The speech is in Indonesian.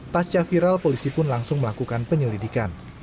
pasca viral polisi pun langsung melakukan penyelidikan